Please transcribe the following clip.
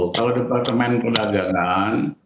kalau departemen perdagangan